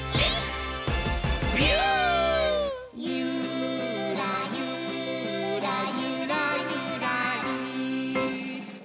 「ゆーらゆーらゆらゆらりー」